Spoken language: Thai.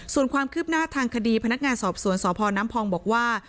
ส่วนความคืบหน้าทางคดีพนักงานสอบสวนสพน้ำพองบอกว่า